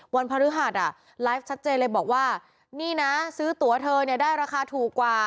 วันพฤหัสไลฟ์ชัดเจนเลยบอกว่านี่นะซื้อตัวเธอเนี่ยได้ราคาถูกกว่า